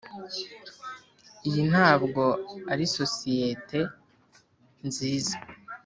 iyi ntabwo ari sosiyete nziza.